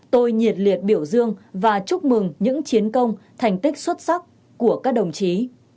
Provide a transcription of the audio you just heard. tôi nhiệt liệt biểu dương và chúc mừng những chiến công thành tích xuất sắc của các đồng chí